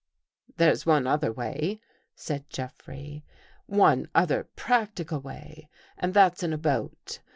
" There's one other way," said Jeffrey. " One ; other practical way, and that's in a boat.